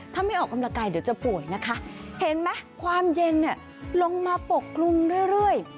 ถ้าไม่ออกกำลังกายเดี๋ยวจะป่วยนะคะเห็นไหมความเย็นเนี่ยลงมาปกคลุมเรื่อย